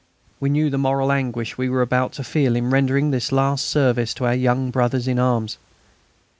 We knew the moral anguish we were about to feel in rendering this last service to our young brothers in arms.